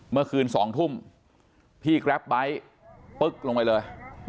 เมื่อคืน๒ทุ่มพี่แกรปไบท์ปึ๊กลงไปเลย